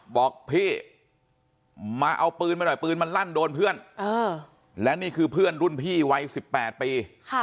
บอกพี่มาเอาปืนมาหน่อยปืนมันลั่นโดนเพื่อนและนี่คือเพื่อนรุ่นพี่วัย๑๘ปี